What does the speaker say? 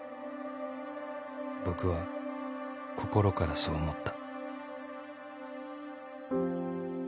僕は心からそう思った